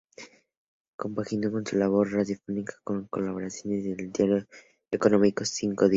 Compaginó su labor radiofónica con colaboraciones en el diario económico "Cinco Días".